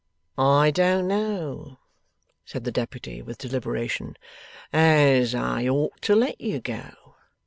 'I don't know,' said the Deputy, with deliberation, 'as I ought to let you go.